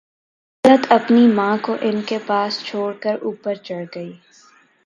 طلعت اپنی ماں کو ان کے پاس چھوڑ کر اوپر چڑھ گئی